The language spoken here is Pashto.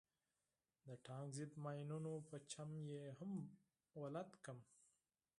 د ټانک ضد ماينونو په چم يې هم بلد کړم.